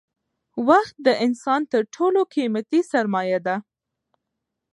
وخت د انسان تر ټولو قیمتي سرمایه ده